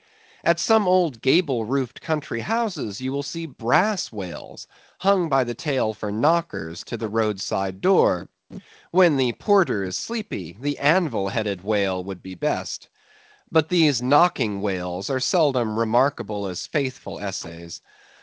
At some old gable roofed country houses you will see brass whales hung by the tail for knockers to the road side door. When the porter is sleepy, the anvil headed whale would be best. But these knocking whales are seldom remarkable as faithful essays.